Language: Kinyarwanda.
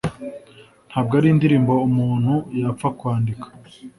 ntabwo ari indirimbo umuntu yapfa kwandika